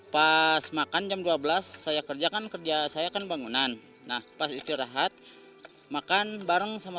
pas makan jam dua belas saya kerjakan kerja saya kan bangunan nah pas istirahat makan bareng sama